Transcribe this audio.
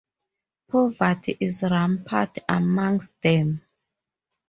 Poverty is rampant amongst them.